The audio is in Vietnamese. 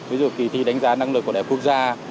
ví dụ kỳ thi đánh giá năng lực của đại học quốc gia